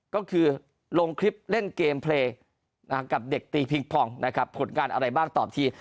ก็คือลงคลิปเล่นเกมเพลย์กับเด็กตีพิงผ่องนะครับผลการอะไรบ้างตอบที